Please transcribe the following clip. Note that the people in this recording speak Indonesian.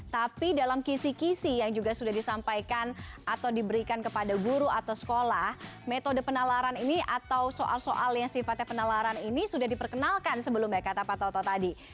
tapi dalam kisi kisi yang juga sudah disampaikan atau diberikan kepada guru atau sekolah metode penalaran ini atau soal soal yang sifatnya penalaran ini sudah diperkenalkan sebelumnya kata pak toto tadi